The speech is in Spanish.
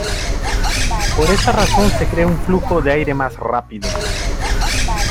Por esa razón se crea un flujo de aire más rápido.